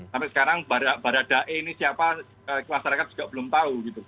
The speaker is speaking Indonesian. sampai sekarang baradae ini siapa masyarakat juga belum tahu gitu